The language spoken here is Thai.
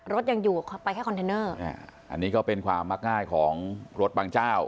รถยังอยู่ไปแค่คอนเทนเนอร์อันนี้ก็เป็นความมักง่ายของรถบางเจ้า